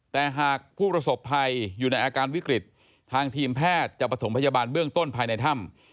แต่หากผู้ประสบภัยอยู่ในอาการวิกฤตทางทีมแพทย์จะประถมพยาบาลเบื้องต้นภายในถ้ำ